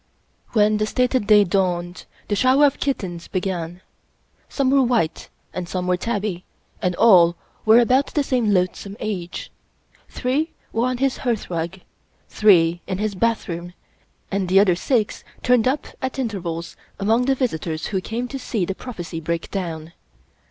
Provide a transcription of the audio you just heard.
When the stated day dawned, the shower of kittens be gan. Some were white and some were tabby, and all were about the same loathsome age. Three were on his hearth rug, three in his bathroom, and the other six turned up at intervals among the visitors who came to see the prophecy break down.